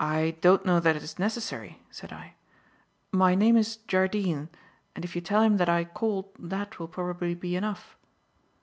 "I don't know that it's necessary," said I. "My name is Jardine, and if you tell him that I called that will probably be enough."